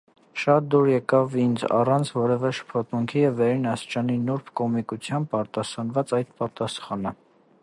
Շատ դուր եկավ ինձ առանց ո՛րևէ շփոթմունքի և վերին աստիճանի նուրբ կոմիկությամբ արտասանված այդ պատասխանը: